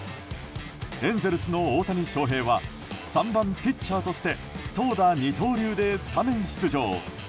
エンゼルスの大谷翔平は３番ピッチャーとして投打二刀流でスタメン出場。